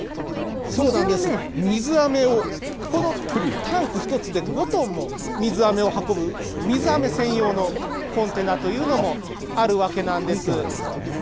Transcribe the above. そうなんです、水飴を、このタンク１つで５トンも水飴を運ぶ、水飴専用のコンテナというのもあるわけなんです。